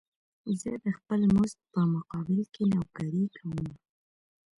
زه د خپل مزد په مقابل کې نوکري کومه.